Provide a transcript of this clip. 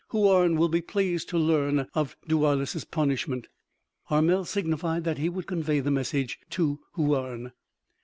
Houarne will be pleased to learn of Daoulas' punishment." Armel signified that he would convey the message to Houarne.